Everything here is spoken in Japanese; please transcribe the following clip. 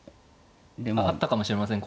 あったかもしれません。